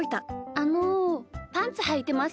あのパンツはいてますか？